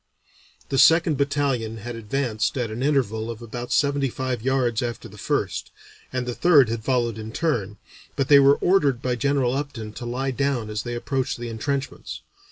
The second battalion had advanced at an interval of about seventy five yards after the first, and the third had followed in turn, but they were ordered by General Upton to lie down as they approached the entrenchments.